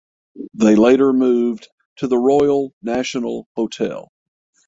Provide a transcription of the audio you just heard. They later moved to the Royal National Hotel.